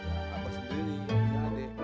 nah abah sendiri yang punya adek